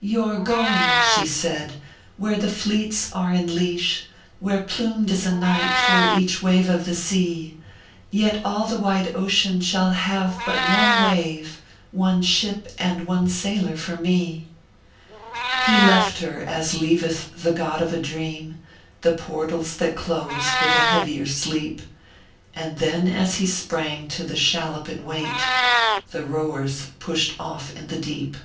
"You re going," she said, " whore the fleets are in leash, Where plumed is a knight for each wave of the sea; Yet all the wide Ocean shall have but One wave, One ship and One sailor for me 1" He left her, as leaveth tho god of a dream The portals that close with a heavier sleep ; And then, as he sprang to the shallop in wait, The rowers pushed off in the Deep.